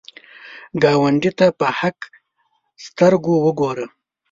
ګاونډي ته په حق سترګو وګوره